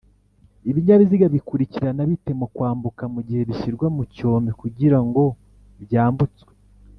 Ibinyabiziga bikurikirana bite mukwambuka mugihe bishyirwa mu cyome Kugirango byambutswe